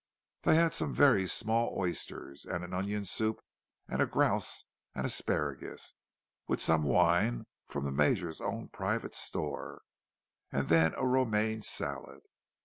They had some very small oysters, and an onion soup, and a grouse and asparagus, with some wine from the Major's own private store, and then a romaine salad.